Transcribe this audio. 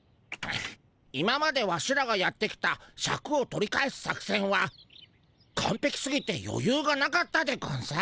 今までワシらがやってきたシャクを取り返す作せんはかんぺきすぎてよゆうがなかったでゴンス。